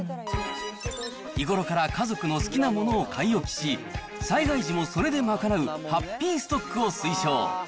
日頃から家族の好きなものを買い置きし、災害時もそれで賄うハッピーストックを推奨。